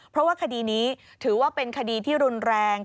เพราะว่าคดีนี้ถือว่าเป็นคดีที่รุนแรง